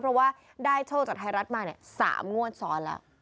เพราะว่าได้โชคจากไทยรัฐมา๓งวดซ้อนแล้ว